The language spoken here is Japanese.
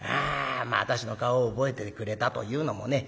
私の顔を覚えててくれたというのもね